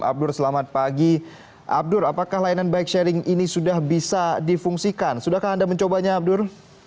abdur selamat pagi abdur apakah layanan bike sharing ini sudah bisa difungsikan sudahkah anda mencobanya abdur